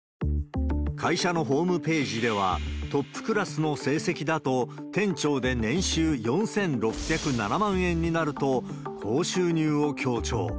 会社のホームページでは、トップクラスの成績だと、店長で年収４６０７万円になると、高収入を強調。